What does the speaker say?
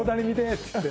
っつって？